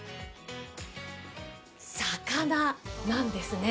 魚なんですね。